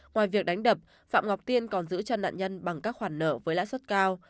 ngoài việc đánh đập phạm ngọc tiên còn giữ cho nạn nhân bằng các khoản nợ với lãi suất cao